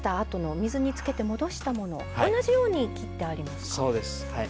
水につけて戻したもの、同じように切ってあります。